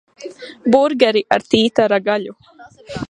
Burgeri ar tītara gaļu.